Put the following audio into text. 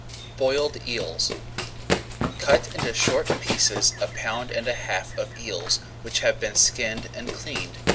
BOILED EELS Cut into short pieces a pound and a half of eels which have been skinned and cleaned.